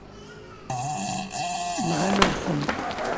Nɣan-aɣ-ten.